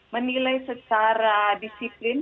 menilai secara disiplin